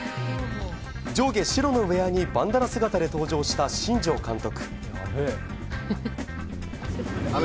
上下白のウェアにバンダナ姿で登場した新庄監督。